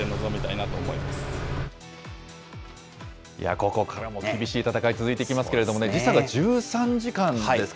ここからも厳しい戦い続いていきますけれども、時差が１３時間ですか。